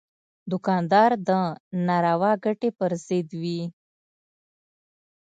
دوکاندار د ناروا ګټې پر ضد وي.